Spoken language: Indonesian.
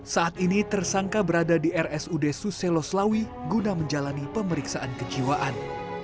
saat ini tersangka berada di rsud suseloslawi guna menjalani pemeriksaan kejiwaan